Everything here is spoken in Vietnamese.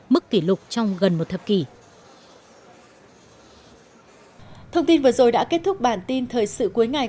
mức kỷ lục trong gần một thập kỷ